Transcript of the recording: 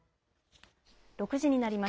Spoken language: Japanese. ６時になりました。